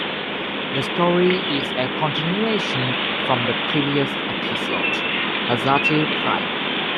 The story is a continuation from the previous episode, Azati Prime.